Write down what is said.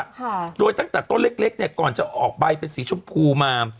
ค่ะโดยตั้งแต่ต้นเล็กเล็กเนี้ยก่อนจะออกใบเป็นสีชมพูมา